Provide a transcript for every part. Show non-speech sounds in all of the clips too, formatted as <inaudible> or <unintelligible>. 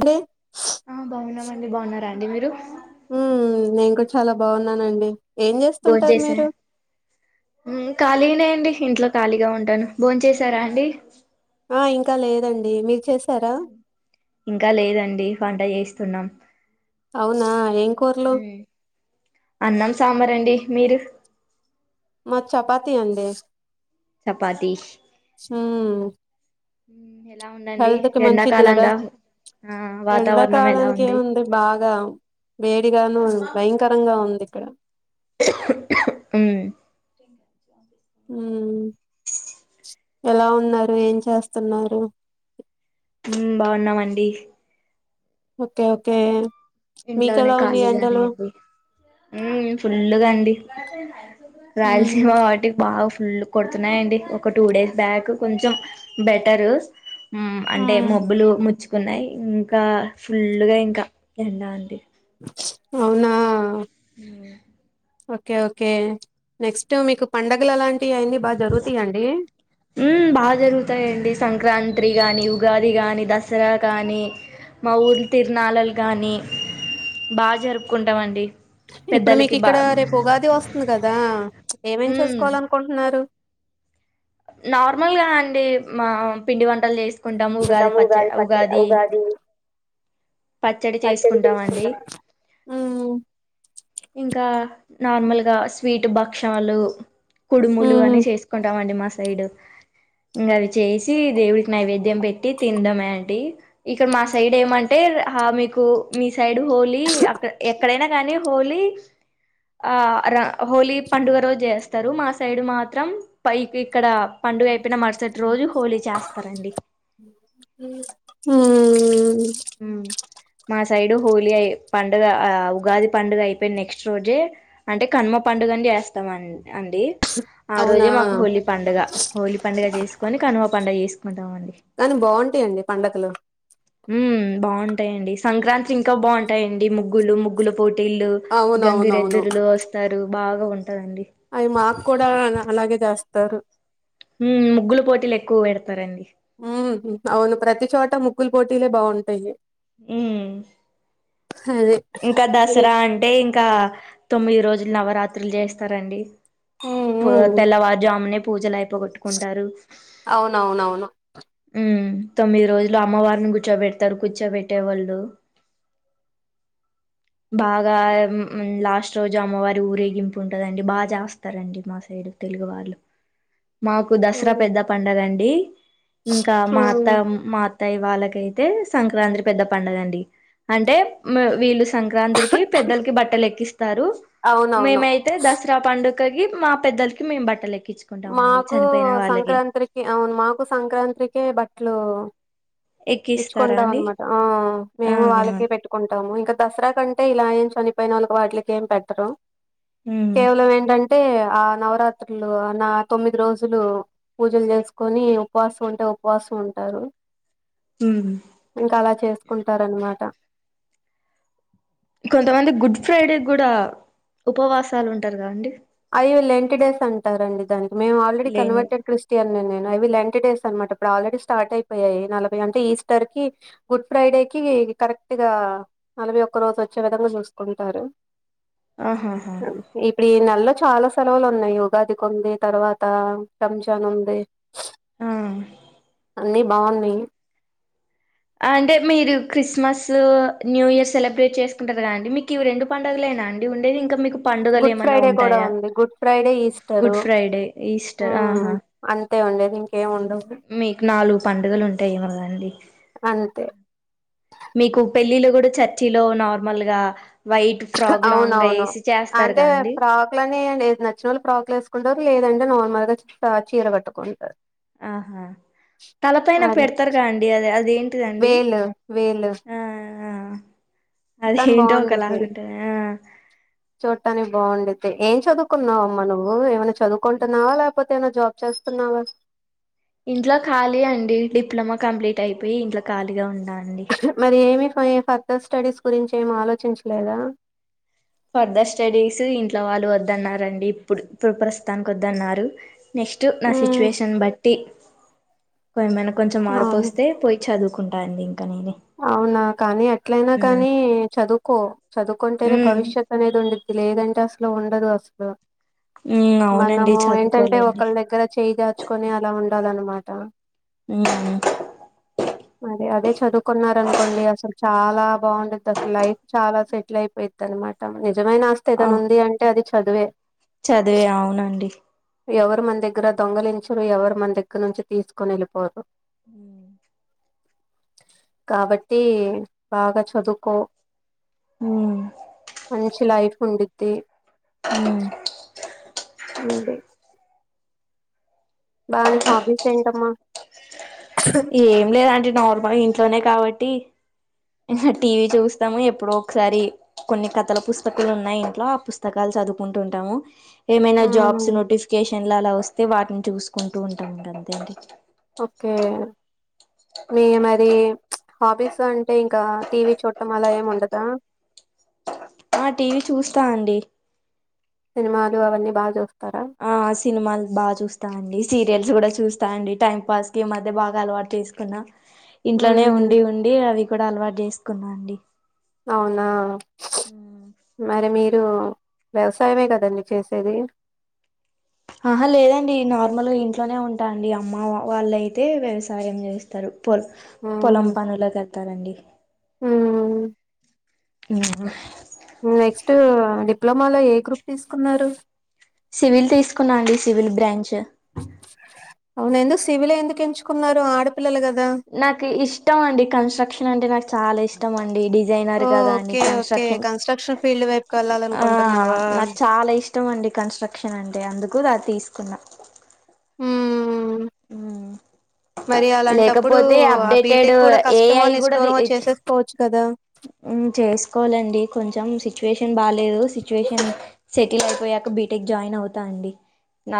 అండి ఆ బావున్నమండి బావున్నరా అండి మీరు ఉమ్ నేను కూడా చాలా బాగున్నానండి ఏం భోన్ చేస్తుంటారు చేసా మీరు ఉమ్ ఖాలీనే అండి ఇంట్లో ఖాళీగా ఉంటాను భోన్ చేసారా అండి ఆ ఇంకా లేదండి మీ ఇంకా లేదండి వంట చేస్ స్తున్నాం అవునా ఏం కూరలు అన్నం <unintelligible> మీరు మాది చపాతి అండి చపాతి హామ్ మ్ ఎలా ఉందండి హెల్త్ కి మంచిది కదా ఎండాకాలంగా ఆ ఎండా వాతావరణం ఎలా కాలానికి ఉంది ఏముంది బాగా వేడిగాను భయంకరంగా ఉందిక్కడ మ్ మ్ ఎలా ఉన్నారు ఏం చేస్తున్నారు డి ఓకే ఓకే ఇంట్లోనే మీకెలా ఉన్నాయి కాలేజ్ అనే ఎండలు ఉమ్ రాయల్సీమా వాటి బావ్ ఫుల్ కొడుతున్నాయిండి ఒక టూ డేస్ బ్యాక్ కొంచెం బెటరు అంటే ఉమ్, మబ్బులు ముచ్చుకున్నాయి ఇంకా ఫుల్గా ఇంకా ఎలా అండి అవునా ఉమ్ ఓకే ఓకే నెక్స్ట్ మీకు పండగలు ఎలా ఉమ్ బాగా జరుగుతాయండి సంక్రాంతి గాని ఉగాది గాని దసరా గాని మా ఊర్లు తిరనాలు కాగాని బాగా జరుపుకుంటాం అండి ఇప్పుడు మీకిక్కడ రేపు ఉగాది వస్తుంది కదా ఏమేం మ్ చేసుకోవాలనుకుంటున్నారు నార్మల్గా అండి మా పిండి వంటలు చేసు కుంటాము ఉగాది పచ్చ ఉగాది పచ్చడి చేసుకుంటాం అండి హ్మ్ ఇంకా నార్మల్గా స్వీట్ భక్షాలు కుడుములు అని హ్మ్ చేసుకుంటామండి మా సైడ్ ఇంకా అవి చేసి దేవుడికి నైవేద్యం పెట్టి తినడమే అండి ఇక మా సైడ్ ఏమం టే హ మీకు మీ సైడ్ హోలీ అక్కడ ఎక్కడైనా కానీ హోలీ ఆ హోలీ పండుగ రోజు చేస్తారు మా సైడ్ మాత్రం పైకి ఇక్కడ పండుగ అయిపోయిన మరుసటి రోజు హోలీ చేస్తారండి హ్మ్ ఉమ్ మా సైడ్ సైడు హోలీ అయి పండుగ ఉగాది పండుగ అయిపోయి నెక్స్ట్ రోజే అంటే కనుమ పండుగని చేస్తాం అండి ఆ అవునా రోజే మాకు హోలీ పండుగ హోలీ పండుగ చేసుకొని కనుమ పండగ చేసుకు కానీ బాగుంటాయండి పండగలో ఉమ్ బాగుంటాయండి సంక్రాంతి ఇంకా బాగుంటాయండి ముగ్గులు ముగ్గులు పోటీలు గంగురెద్దులు వస్తారు బాగా ఉన్ అయి మాకు కూడా అలాగే దాస్ తరు ఉ ముగ్గుల పోటీలు ఎక్కువ పెడతారండి హ్మ్ అవును ప్రతి చోట ముగ్గులు పోటీలే బాగుంటాయి ఉ అదే ఇంకా దసరా అంటే ఇంకా తొమ్మిది రోజులు నవరాత్రులు చేస్తారండి హ్మ్ పో హ్మ్ తెల్లవారుజామునే పూజలైప్ పోగొట్టుకుంటారు అవునవునవును ఉమ్ తొమ్మిది రోజులు అమ్మవారిని కూర్చోబెడతారు కూర్చోబెట్టేవాళ్ళు బాగా లాస్ట్ రోజు అమ్మవారి ఊరేగింపు ఉంటందండి బాగా చేస్తారండి మా సైడ్ తెలుగు వాళ్ళు మాకు దసరా పెద్ద పండగ అండి ఈ ఇంకా మా అత్త హ్మ్ మాత్ అత్తయ్య వాళ్ళకైతే సంక్రాంతి పెద్ద పండుగండి అంటే వీళ్ళు సంక్రాంతికి పెద్దలకి బట్టలు లెక్కిస్ స్థారు అవునవును మేమైతే దసరా పండుగ్ మా పెద్దలకి మేం బట్టల ఎక్క మాకు సంక్రాంతికి అవును మాకు సంక్రాంతికె బట్టలు ఎక్కిస్తారా ఇచ్చుకుంటాం అండి అనమాట ఆ మేము ఆహా వాళ్ళకే పెట్టుకుంటాము ఇంకా దసరా కంటే ఇలా ఏం చని పేనులకి వాట్లకి ఏం పెట్టరు ఉమ్ కేవలం ఏంటంటే ఆ నవరాత్రులు ఆ నా తొమ్మిది రోజులు పూజలు చేసుకొని ఉపవాసం ఉంటే ఉపవాసం ఉంటారు ఉమ్ ఇంకా అలా చేస్ తీసుకుంటారనమాట. కొంతమంది గుడ్ ఫ్రైడే కూడా ఉపవాసాలు ఉంటారు కదండి. లేంటి డేస్ అంటారండి దాన్ని. మేము ఆల్రెడీ లేన్ కన్వర్టెడ్ క్రిస్టియన్. ఆహ్ నేను అవి లెంట్ డేస్ అనమాట ఇప్పుడు ఆల్రెడీ స్టార్ట్ అయిపోయాయి. నలభై అంటే ఈస్టర్ కి గుడ్ ఫ్రైడేకిి కరెక్ట్ గా నలభై ఒక్క రోజు వచ్చే విధంగా చూసుకుంటారు. ఆహాహా ఇప్పుడు ఈ నేలో. చాలా సెలవులు ఉన్నాయి. ఈ ఉగాదికి ఉంది తర్వాత రంజాన్ ఉంది. ఉమ్ అన్ని బాగున్నాయి. అంటే మీరు క్రిస్మస్లు, న్యూ ఇయర్ సెలబ్రేట్ చేసుకుంటారు కదండి. మీకు ఇవి రెండు పండుగలేనా అండి ఉండేది ఇంకా మీకు. పండుగలు గుడ్ ఏమన్నా ఫ్రైడే కూడా ఉంటాయా ఉంది good Friday Easter good Friday Easter ఉమ్ ఆహా ఆ అంతే ఉండేది ఇంకేం ఉండ మీకు నాలుగు పండుగలు ఉంటాయి ఏమో కదండీ. అంతే మీకు పెళ్ళిళ్ళు కూడా చర్చిలో నార్మల్ గా. వైట్ ఫ్రాక్ లాంగ్ గా అవునవును వేసి చేస్తారు అంటే గా అండి ప్రాక్లు అని ఏం లేదు. నచ్చిన వాళ్ళు ఫ్రాక్లు వేసుకుంటారు లేదండి నార్మ మదర్స్ ఆహ్ చీర కట్టుకుంటారు. ఆహా తలపైన అదే పెడతారుగా అండి అదే అదేంటి. అండి వేలు వేలు ఆహ్ ఆహ్ అది కానీ ఏంటో బాగుండిద్ది ఒకలాగుంటాది ఆహ్ ఉండిదే ఏం చదువుకున్నావు అమ్మ నువ్వు ఏమైనా చదువుకుంటున్నావా లేకపో కాకపోతే ఏమైనా జాబ్ చేస్తున్నావా. ఇంట్లో ఖాళీ అండి. డిప్లొమా కంప్లీట్ అయిపోయి ఇంట్లో ఖాళీగా ఉన్నా. అండి మరి ఏమి. ఫర్దర్ స్టడీస్ గురించి ఏం ఆలోచించలేదా. ఫర్దర్ స్టడీస్ ఇంట్లో వాళ్ళు వద్దన్నారండి. ఇప్పుడు ఇప్పుడు ప్రస్తుతానికి వద్దన్నారు. నెక్స్ట్ నా ఉమ్ సిచ్యుయేషన్ బట్టి. ఏమైనా కొంచెం మార్పు అవును వస్తే పోయి చదువు కుంటాంది ఇంకా నేనే. అవునా కానీ అట్లయినా ఉమ్ కానీ చదువుకో చదువుకుంటేనే ఉమ్ భవిష్యత్ అనేది ఉండిది. లేదంటె అసలు ఉండదు అసలు. ఉమ్ అవునండి మనము ఏంటంటే చదువుకోవాలండి ఒకళ్ళ దగ్గర చేయి చాచుకొని అలా ఉండ. అదన్నా మాట. ఉమ్ అదే అదే చేప్ కొన్నారనుకోండి అసలు చాలా బాగుంటది అసలు లైఫ్ చాలా సెటిల్ అయిపోయిది అన్న మాట. నిజమైన ఆస్తి ఏదనా అవు ఉంది అంటే అది చ చదువే చదివే అవునండి. ఎవరు మన దగ్గర దొంగలించరు, ఎవరు మన దగ్గర నుంచి తీసుకొని వెళ్ళిపోరు. ఉమ్ <inaudible> కాబట్టి బాగా చదువుకో ఉమ్ మంచి లైఫ్ ఉండి ది ఉమ్ బా నీ హాబీస్ ఏంటమ్మా. ఏం లేదండి. నార్మల్ ఇంట్లోనే కాబట్టి ఇహ టీవీ చూస్తము. ఎప్పుడో ఒకసారి కొన్ని కథల పుస్తకలు ఉన్నాయి ఇంట్లో ఆ పుస్తకాలు చదువుకుంటుంటాము. ఏమైనా మ్మ్ జాబ్స్ నోటిఫికేషన్ ల అలా వస్తే వాటిని చూసుకుంటూ ఉంటాము ఇగ అంతేనండి. ఓకే మీ మరి హాబీస్ అంటే ఇంకా టీవీ చూడటం అలా ఏమి ఉండదా. ఆ టీవీ చూస్తా అండి. సినిమాలు అవన్నీ బాచూస్ ఆ సినిమాలు బాచూస్తాం అండి. సీరియల్స్ కూడా చూస్తా అండి టైం పాస్కి ఈ మధ్య బాగా అలవాటు చేసుకున్నా. ఇంట్లోనే హ్మ్ ఉండి ఉండి అవి కూడా అలవాటు చేస్ కున్నా అండి. అవునా ఉమ్ మరి మీరు వ్యవసాయమే కదండి చేసేది. ఆహా లేదండి నార్మల్ గా ఇంట్లోనే ఉంటాండి. అమ్మ వాళ్ళుయితే వ్యవసాయం చేస్తరు. పొల పొలం హ్మ్ పనులకు వెళ్తారు అండి. ఉ ఉహు అటు డిప్లమాలో ఏ గ్రూప్ తీసుకున్నారు. సివిల్ తీసుకున్నా అండి సివిల్ బ్రాంచ్. అవునా ఎందుకు సివిల్ ఎందుకు ఎంచుకున్నారు ఆడపిల్లలు కదా నాకు ఇష్టం అండి కన్స్ట్రక్షన్ అంటే చాలా ఇష్టం అండి. డి జైనరు ఓ కదా అండి okay okay construction construction field వైపుకి ఆ వెళ్ళాలనుకుంటున్నావా నాకు చాలా ఇష్టం అండి కన్స్ట్రక్షన్ అంటే అందు కు తీసుకున్నా. హ్మ్ మరి అలాంటప్పుడు లేకపోతే ఆ అప్డేటెడ్ బీటెక్ కూడా కష్టమో ఏఐ కూడా నిష్ఠూరమొ చేసేసుకోవచ్చు కదా చేసుకోవాలండి కొంచెం సిచ్యువేషన్ బా లేదు సిచ్యువేషన్ సెట్ అయిపోయాక బీటెక్ జాయిన్ అవుతా అండి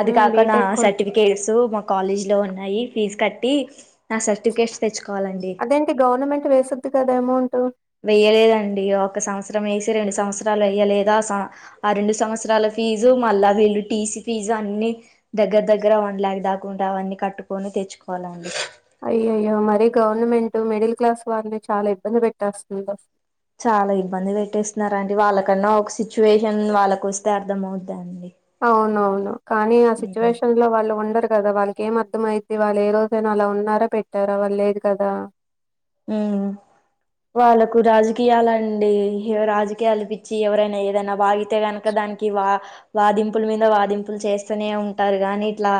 అది హ్మ్ కాక నా బీటెక్ కూడా సర్టిఫికేట్స్ కాలేజీ లో ఉన్నాయి ఫీజ్ కట్టి నా సర్టిఫికేట్స్ తెచ్చు అదేంటి గవర్నమెంట్ వేసుద్ది కదా అమౌంట్ వెయ్యలేదండి ఒక సంవత్సరం వేసి రెండు సంవత్సరాలు వేయలేదా ఆ రెండు సంవత్సరాల ఫీజు మళ్ళా వీళ్ళు టీసీ ఫీజు అన్ని దగ్గర దగ్గర వన్ లాక్ దాకా ఉంటాదండి అవన్నీ కట్టుకొని తెచ్చుకోవాలండి అయ్యయ్యో మరీ గవర్నమెంట్ మిడిల్ క్లాస్ వారిని చాలా ఇబ్బంది పెట్టేస్తుందొ చాలా ఇబ్బంది పెట్టేస్తున్నారు అండి వాళ్ళకన్నా ఒక సిచ్యువేషన్ వాళ్ళకు వస్తే అర్థమవు అవునవును కానీ ఆ మ్మ్ సిచ్యువేషన్ లో వాళ్ళు ఉండరు కదా వాళ్ ఏం అర్ధం అయితే వాళ్ళు ఏ రోజైనా అలా ఉన్నారా పెట్టారా వాళ్ళ లేదు కదా వాళ్ళకు రాజకీయాలండి రాజకీయాల పిచ్చి ఎవరైనా ఏదైనా వాగితే గనుక దానికి వా వాదింపుల మీద వాదింపులు చేస్తూనే ఉంటారు గాని ఇట్లా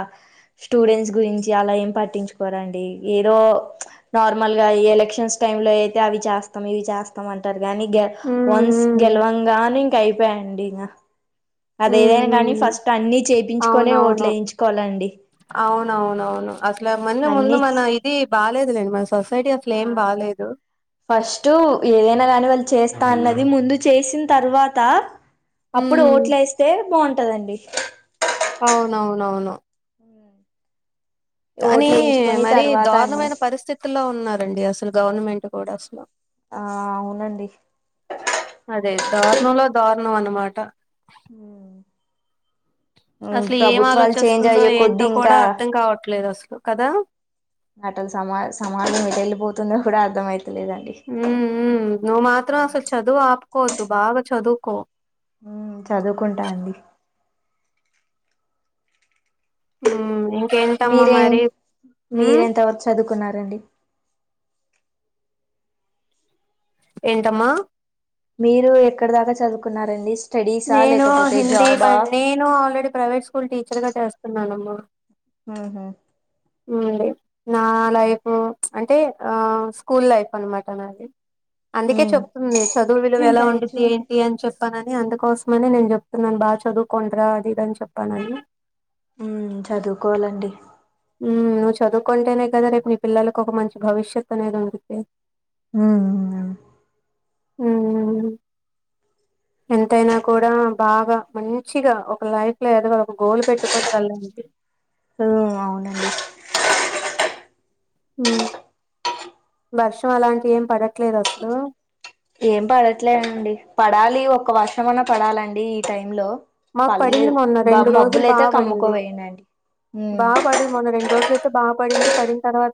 స్టూడెంట్స్ గురించి అలా ఏం పట్టించుకోరండి ఏదో నార్మల్ ఇగ ఎలక్షన్స్ టైమ్ లో అయితే అవి చేస్తాం ఇవి చేస్తాం అంటారు గానీగా హ్మ్ వన్స్ హ్మ్ గెలవంగానే ఇంక అయిపా అండి యా హ్మ్మ్ చేపించుకొనే ఓట్లు అవునవును వేయించుకోవాలండి అవునవునవును అసలా మన్న ముందు అన్ని మన ఇది బాలేదు <unintelligible> అసలు ఆ ఏం ఫస్ట్ ఏదైనా గాని వాళ్ళు చేస్ తనది ముందు చేసిన తర్వాతా అప్పుడు హ్మ్ ఓట్లు వేస్తే బాం టదండి అవునవునవును కానీ ఓట్లు వేయించుకొని మరీ తర్వాత అన్ని దారుణమైన పరిస్థితుల్లో ఉన్నారండి అసలు గవర్నమెంట్ గుడా స్లో ఆ అవునండి అదే దారునోలో దార్ ఉన్నాం అనమాట అసలు ఏం ప్రభుత్వాలు చేంజ్ ఆలోచిస్తుందో అయ్యే కొద్ది ఏంటో ఇంకా కూడా అర్థం కావట్లేదు అసలు కదా నటలు సమా సమాజం ఎటెళ్లిపోత తుందో కూడా అర్థమై హ్మ్ హ్మ్ నువ్వు మాత్రం అసలు చదువు ఆపుకోవద్దు బాగా చదువు కో హ్మ్ చదువుకుంటా అండి హ్మ్ మీరేం మీరేంత వరకు చదువుక కున్నారండి ఏంటమ్మా మీరు ఎక్కడ దాకా చదువుకున్నారండి. స్టడీసా నేను లేకపోతే హిందీ జాబా పైన నేను ఆల్రెడీ ప్రైవేట్ స్కూల్ టీచర్ గా చేస్తున్నాను. బ ఆహా అవునండి నా లైఫ్ అంటే ఆ స్కూల్ లైఫ్ అనమాట నాది. అందుకే చెప్తుంది చదువువిలువ ఎలా ఉండి ది ఇంకా ఏంటి అని చెప్ చెప్పానని అందుకోసమనే నేను చెప్తున్నాను. బాగా చదువుకోండిరా అది ఇదని చెప్పానని ఉ చదువుకోవాలండి. ఉమ్ నువ్వు చదువుకుంటేనే కదా రేపు మీ పిల్లలలకు ఒక మంచి భవిష్యత్ అనేది ఉండిది. ఉమ్ ఆ ఉమ్ మ్మ్ ఎంతైనా కూడా బాగా మంచిగా ఒక లైఫ్ లో ఏదో ఒక గోల్ పెట్టుకొని వెళ్ళండి. ఆ అవునండి <unintelligible> హ వర్షం అలాంటి ఏం పడట్లేదు అసలు ఏం పడట్లే అండి, పడాలి ఒక వర్షం అన్నా పడాలండి ఈ టైంలో. మాకు పడింది మొన్న రెండు రోజులు బాగా పడింది. కమ్ముకోపోయినండి బాగా పడది మొన్న రెండు రోజులు అయితే బాగా పడింది. పడిన తర్వా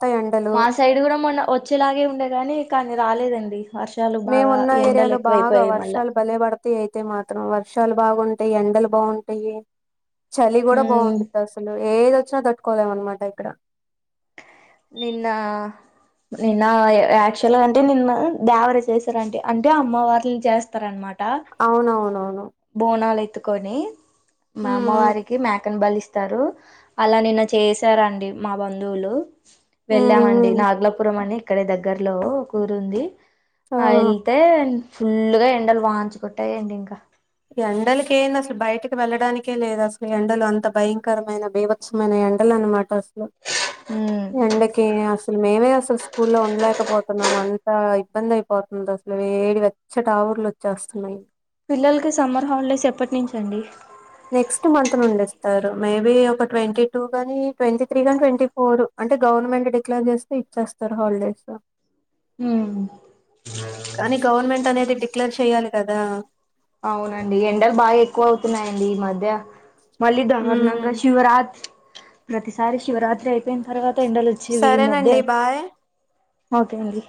మా సైడ్ కూడా మొన్న వచ్చేలాగే ఉండేగాని కానీ రాలేదండి. వర్షాలు బాగా మేమున్న ఎండలు ఏరియాలో బాగా ఎక్కువైపోయాయి మళ్ళా వర్షాలు భలేపడితాయి. అయితే మాత్రం వర్షాలు బాగుంటాయి, ఎండలు బాగుంటాయి. చలి కూడా ఉమ్ బాగుంటది అసలు ఏదొచ్చినా తట్టుకోలేం అనమాట ఇక్కడ నిన్న నిన్న యాక్చువల్గా అంటే నిన్న దేవర చేశారంటే అంటే అమ్మవళ్ని చేస్తారనమాట. అవునవునవును కొనే మా హ్మ్ హ్మ్ అమ్మవారికి మేకను బలి ఇస్తే ఇస్తారు అలా నిన్న చేసారండి మా బంధువులు హ్మ్ వెళ్ళామండి హ్మ్ నాగలపురం అని ఇక్కడ దగ్గరలో ఒక ఉరు ఉంది. ఆ ఏల్తే ఫుల్ గా ఎండలు వాయించు కొట్టాయండి ఇంకా. ఎండలక ఏనా అసలు బయటకి వెళ్ళడానికే లేదు. అసలు ఎండలు అంత భయంకరమైన భీభత్సమైన ఎండలు అనమాట అసలు. ఉమ్ ఎండకే అస్ అసలు మేమే అసలు స్కూల్లో ఉండలేకపోతున్నాం. అంత ఇబ్బంది అయిపోతున్నది అసలు వేడి వెచ్చటి ఆవిర్లు వచ్చేస్తున్నాయి. పిల్లలకి సమ్మర్ హాలిడేస్ ఎప్పటి నుంచి అండి నెక్స్ట్ మంత్ నుండిస్తారు మేబీ ఒక ట్వంటీ టూ గాని, ట్వంటీ త్రీ గాని, ట్వంటీ ఫోర్ అంటే గవర్నమెంట్ డిక్లేర్ చేస్తే ఇచ్చేస్తారు హాలిడేస్. ఊ <unintelligible> కానీ గవర్నమెంట్ అనేది డిక్లేర్ చెయాలి కదా అవునండి ఎండలు బాగా ఎక్కువ అవుతున్నాయియండి ఈ మధ్య మళ్ళీ ఉమ్, దారుణంగా శివరాత్రి ప్రతిసారి శివరాత్రి అయిపోయిన తర్వాత ఎండలు వచ్చేవి ఈ మధ్య సరేనండి బాయ్ ఓకే అండి